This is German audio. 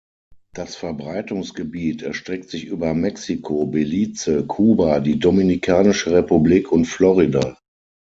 Das Verbreitungsgebiet erstreckt sich über Mexiko, Belize, Kuba, die Dominikanische Republik und Florida.